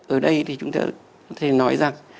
ở đây thì chúng ta có thể nói rằng